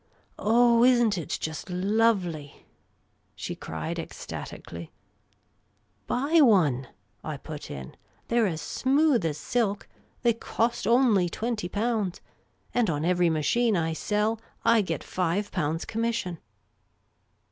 " Oh, is n't it just lovely !" she cried ecstatically. " Buy one !" I put in. " They 're as smooth as silk ; they cost only twenty pounds ; and, on every machine I sell, I get five pounds commission."